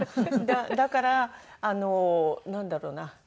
だからあのなんだろうな。